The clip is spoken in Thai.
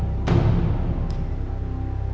คุณยายแจ้วเลือกตอบจังหวัดนครราชสีมานะครับ